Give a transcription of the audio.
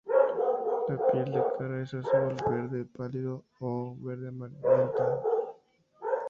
La piel de la cara es azul, verde pálido, o verde amarillento.